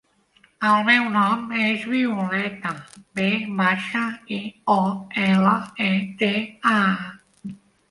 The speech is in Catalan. El meu nom és Violeta: ve baixa, i, o, ela, e, te, a.